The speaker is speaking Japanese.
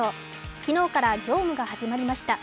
昨日から業務が始まりました。